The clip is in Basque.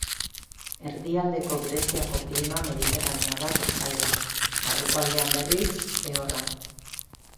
Erdialdeko Greziako klima mediterraneoa da kostaldean; barruko aldean, berriz, lehorra.